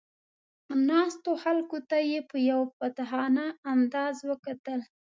ناستو خلکو ته یې په یو فاتحانه انداز وکتل.